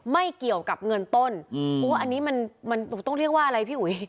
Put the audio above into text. ไม่เกี่ยวกับเงินต้นเพราะว่าอันนี้มันต้องเรียกว่าอะไรพี่อุ๋ย